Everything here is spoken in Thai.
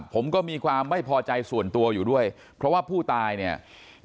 ผมก็มีความไม่พอใจส่วนตัวอยู่ด้วยเพราะว่าผู้ตายเนี่ย